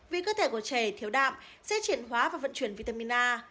vì cơ thể của trẻ thiếu đạm sẽ chuyển hóa và vận chuyển vitamin a